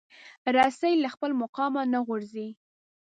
رسۍ له خپل مقامه نه غورځي.